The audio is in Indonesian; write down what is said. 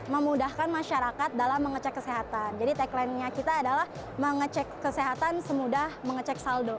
memudahkan masyarakat dalam mengecek kesehatan jadi tagline nya kita adalah mengecek kesehatan semudah mengecek saldo